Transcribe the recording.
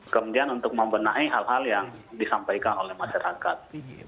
kemudian untuk membenahi hal hal yang disampaikan oleh masyarakat